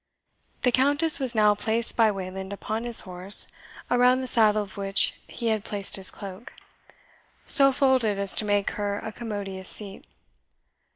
The Countess was now placed by Wayland upon his horse, around the saddle of which he had placed his cloak, so folded as to make her a commodious seat.